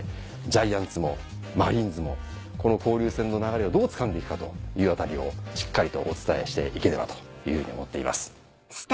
ジャイアンツもマリーンズもこの交流戦の流れをどうつかんで行くかという辺りをしっかりとお伝えして行ければというふうに思っています。